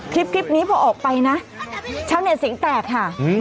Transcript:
คลิปคลิปนี้พอออกไปนะเช้าเนียนสิงห์แตกค่ะอืม